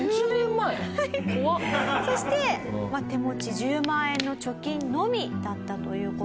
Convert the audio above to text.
（橋そして手持ち１０万円の貯金のみだったという事なんですよね。